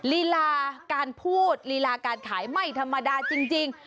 ลีลาการพูดลีลาการขายไม่ธรรมดาจริง